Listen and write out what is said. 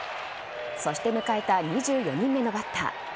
そして迎えた２４人目のバッター。